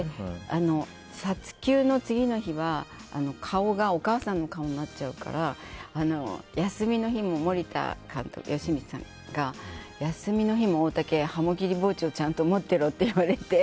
撮休の次の日は顔がお母さんの顔になっちゃうから休みの日も森田芳光監督が休みの日も大竹はハモ切り包丁をちゃんと持ってろって言われて。